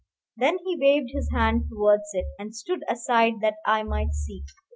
Then he waved his hand towards it, and stood aside that I might see.